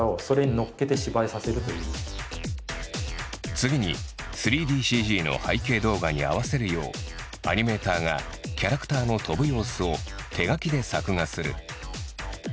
次に３ＤＣＧの背景動画に合わせるようアニメーターがキャラクターの飛ぶ様子を手描きで作画する。